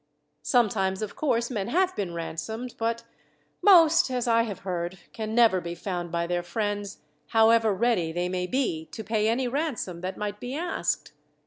Sometimes, of course, men have been ransomed; but most, as I have heard, can never be found by their friends, however ready they may be to pay any ransom that might be asked.